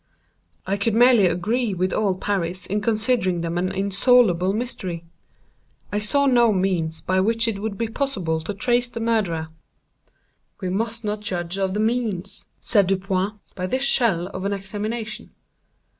I could merely agree with all Paris in considering them an insoluble mystery. I saw no means by which it would be possible to trace the murderer. "We must not judge of the means," said Dupin, "by this shell of an examination.